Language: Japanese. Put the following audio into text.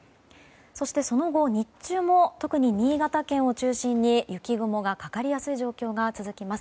そして、その後日中も特に新潟県を中心に雪雲がかかりやすい状況が続きます。